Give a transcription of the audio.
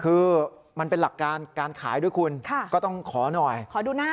คือมันเป็นหลักการการขายด้วยคุณค่ะก็ต้องขอหน่อยขอดูหน้า